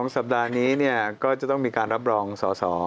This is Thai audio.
สัปดาห์นี้ก็จะต้องมีการรับรองสอสอ